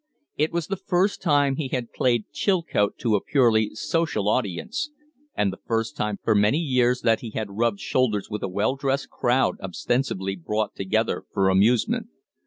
It was the first time he had played Chilcote to a purely social audience, and the first time for many years that he had rubbed shoulders with a well dressed crowd ostensibly brought together for amusement.